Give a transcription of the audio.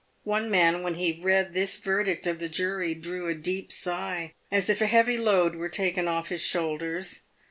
One man, when he read this verdict of the jury, drew a deep sigh, as if a heavy load were taken off his shoulders.